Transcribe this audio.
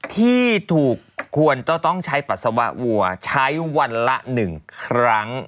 ที่ถูกควรจะต้องใช้ปัสสาวะวัวใช้วันละ๑ครั้ง